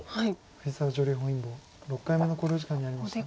藤沢女流本因坊６回目の考慮時間に入りました。